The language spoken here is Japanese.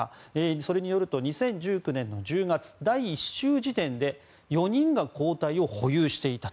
それによると２０１９年１０月、第１週時点で４人が抗体を保有していた。